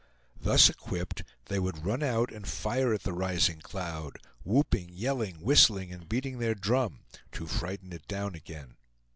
Thus equipped, they would run out and fire at the rising cloud, whooping, yelling, whistling, and beating their drum, to frighten it down again.